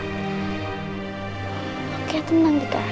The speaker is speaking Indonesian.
kayaknya tenang tika